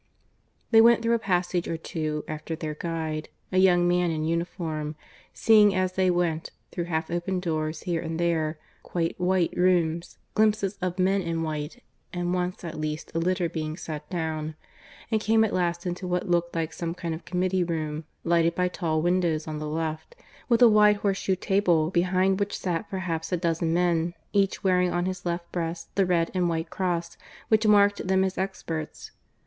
They went through a passage or two, after their guide a young man in uniform seeing as they went, through half open doors here and there, quite white rooms, glimpses of men in white, and once at least a litter being set down; and came at last into what looked like some kind of committee room, lighted by tall windows on the left, with a wide horseshoe table behind which sat perhaps a dozen men, each wearing on his left breast the red and white cross which marked them as experts.